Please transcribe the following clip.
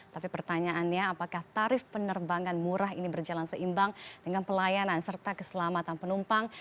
tapi pertanyaannya apakah tarif penerbangan murah ini berjalan seimbang dengan pelayanan serta keselamatan penumpang